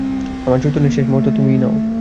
আমার চৈতন্যের শেষ মুহূর্ত তুমিই নাও।